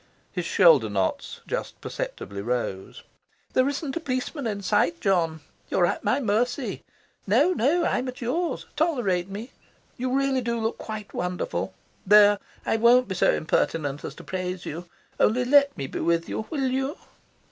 His shoulder knots just perceptibly rose. "There isn't a policeman in sight, John. You're at my mercy. No, no; I'm at yours. Tolerate me. You really do look quite wonderful. There, I won't be so impertinent as to praise you. Only let me be with you. Will you?"